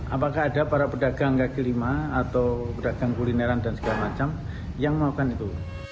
apakah ada para pedagang kaki lima atau pedagang kulineran dan segala macam yang melakukan itu